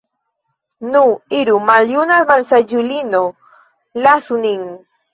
Nu, iru, maljuna malsaĝulino, lasu nin!